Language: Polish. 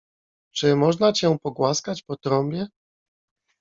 — Czy można cię pogłaskać po trąbie?